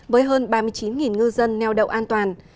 với hơn ba mươi chín ngư dân neo đậu an toàn